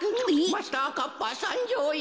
・「マスターカッパーさんじょうよ」